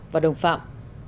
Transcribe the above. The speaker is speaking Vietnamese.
và đồng phạm